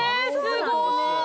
すごい！